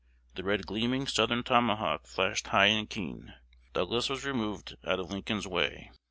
The red gleaming Southern tomahawk flashed high and keen. Douglas was removed out of Lincoln's way.